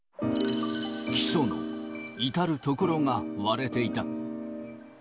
基礎の至る所が割れていた。